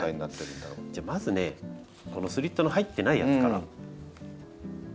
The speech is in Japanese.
じゃあまずねこのスリットの入ってないやつから。